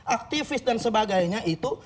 aktivis dan sebagainya itu